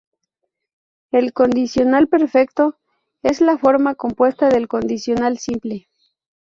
El condicional perfecto es la forma compuesta del condicional simple.